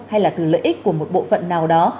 hay là từ lợi ích của một bộ phận nào đó